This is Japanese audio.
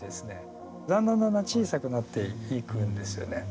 だんだんだんだん小さくなっていくんですよね。